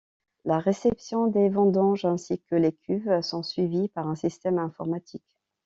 La réception des vendanges ainsi que les cuves sont suivies par un système informatique.